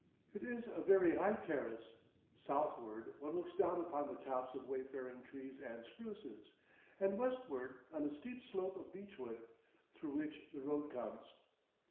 It is a very high terrace; southward one looks down upon the tops of wayfaring trees and spruces, and westward on a steep slope of beechwood, through which the road comes.